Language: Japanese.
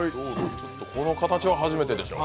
この形は初めてでしょう。